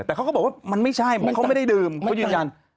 แต่เขาก็บอกว่ามันไม่ใช่เพราะเขาไม่ได้ดื่มเขายืนยัน